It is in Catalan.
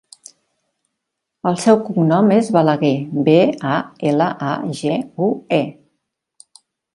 El seu cognom és Balague: be, a, ela, a, ge, u, e.